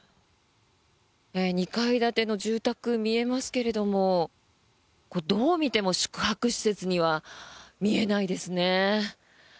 ２階建ての住宅が見えますけどもこれ、どう見ても宿泊施設には見えないですね。